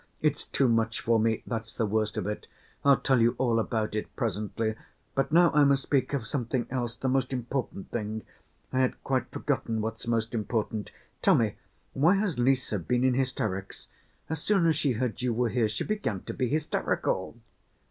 It's too much for me, that's the worst of it. I'll tell you all about it presently, but now I must speak of something else, the most important thing—I had quite forgotten what's most important. Tell me, why has Lise been in hysterics? As soon as she heard you were here, she began to be hysterical!"